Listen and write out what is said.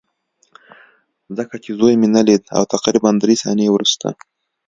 ځکه چې زوی مې ونه لید او تقریبا درې ثانیې وروسته